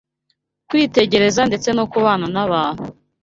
kwitegereza ndetse no kubana n’abantu.